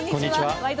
「ワイド！